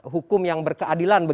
hukum yang berkeadilan